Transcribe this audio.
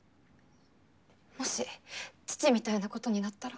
もし父みたいなことになったら。